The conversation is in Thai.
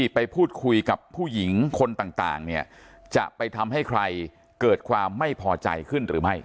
ไปพูดคุยกับผู้หญิงคนต่างเนี่ยจะไปทำให้ใครเกิดความไม่พอใจขึ้นหรือไม่